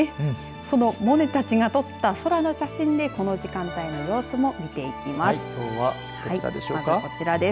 そのモネたちが撮った空の写真でこの時間帯の様子も見ていきます。